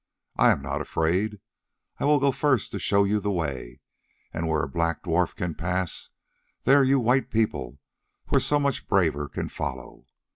I am not afraid. I will go first to show you the way, and where a black dwarf can pass, there you white people who are so much braver can follow.